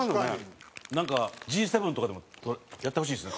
なんかＧ７とかでもやってほしいですね